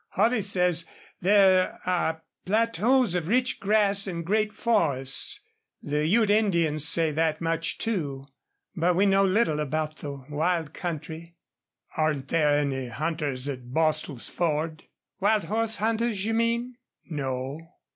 Holley says there are plateaus of rich grass and great forests. The Ute Indians say that much, too. But we know little about the wild country." "Aren't there any hunters at Bostil's Ford?" "Wild horse hunters, you mean?" "No.